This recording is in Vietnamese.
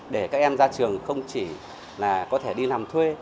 để các em ra trường không chỉ là có thể đi làm thuê